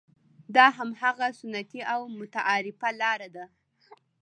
دا هماغه سنتي او متعارفه لاره ده.